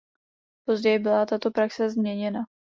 Později byla tato praxe změněna.